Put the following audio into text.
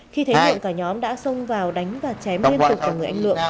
khi thấy hiện cả nhóm đã xông vào đánh và chém liên tục vào người anh lượng